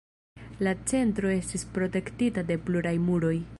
La centro estis protektita de pluraj muroj.